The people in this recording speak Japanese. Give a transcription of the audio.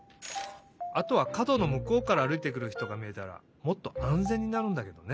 あとはかどのむこうからあるいてくるひとがみえたらもっとあんぜんになるんだけどね。